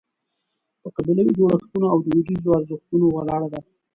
په قبیلوي جوړښتونو او دودیزو ارزښتونو ولاړه ده.